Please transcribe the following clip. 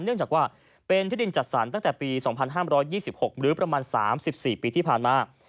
เนื่องจากว่าเป็นที่ดินจัดสรรตั้งแต่ปี๒๕๒๖หรือประมาณ๓๔ปีที่ผ่านมา